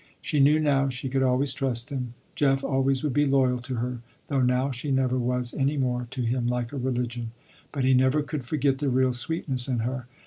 She knew now she could always trust him. Jeff always would be loyal to her though now she never was any more to him like a religion, but he never could forget the real sweetness in her.